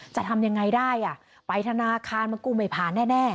จะทำยังไงได้อ่ะไปธนาคารมันกูไม่ผ่านแน่